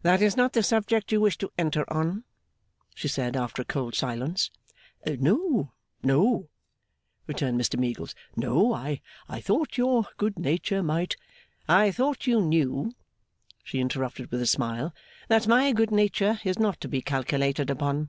'That is not the subject you wished to enter on?' she said, after a cold silence. 'No, no,' returned Mr Meagles. 'No. I thought your good nature might ' 'I thought you knew,' she interrupted, with a smile, 'that my good nature is not to be calculated upon?